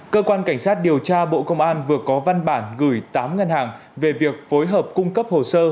cơ quan cảnh sát điều tra bộ công an vừa có văn bản gửi tám ngân hàng về việc phối hợp cung cấp hồ sơ